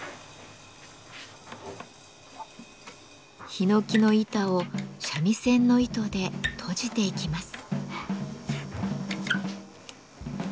檜の板を三味線の糸でとじていきます。